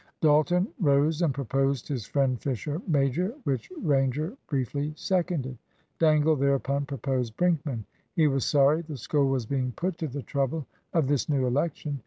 Dalton rose and proposed his friend Fisher major, which Ranger briefly seconded. Dangle thereupon proposed Brinkman. He was sorry the School was being put to the trouble of this new election.